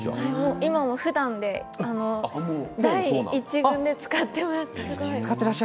今もふだん第１軍で使っています。